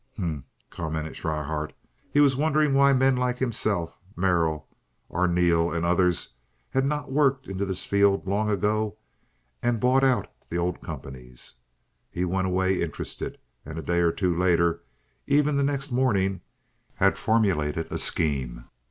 "Humph!" commented Schryhart. He was wondering why men like himself, Merrill, Arneel, and others had not worked into this field long ago or bought out the old companies. He went away interested, and a day or two later—even the next morning—had formulated a scheme.